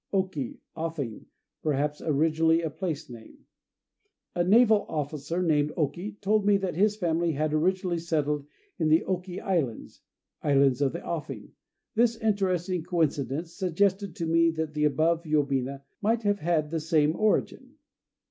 Oki "Offing," perhaps originally a place name. A naval officer named Oki told me that his family had originally been settled in the Oki Islands ("Islands of the Offing"). This interesting coincidence suggested to me that the above yobina might have had the same origin.